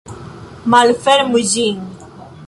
Malfermu ĝin.